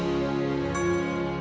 aku harus jadi kekasihmu